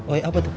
oi apa tuh